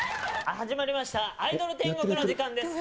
始まりました、アイドル天国の時間です。